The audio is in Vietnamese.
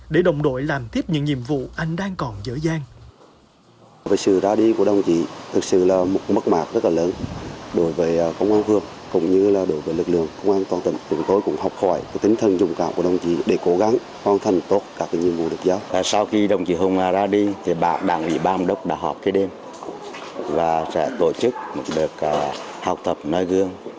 để đồng đội làm tiếp những nhiệm vụ anh đang còn dở dang